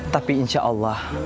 tapi insya allah